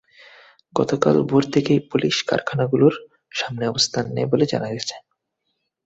গতকাল ভোর থেকেই পুলিশ কারখানাগুলোর সামনে অবস্থান নেয় বলে জানা গেছে।